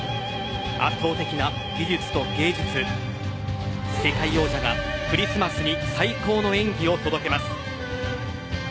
圧倒的な技術と芸術世界王者がクリスマスに最高の演技を届けます。